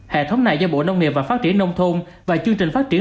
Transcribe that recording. hệ thống này do bộ nông nghiệp và phát triển nông thôn và chương trình phát triển